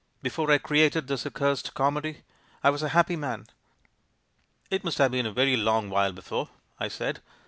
Before I created this accursed comedy I was a happy man." "It must have been a very long while before," I said.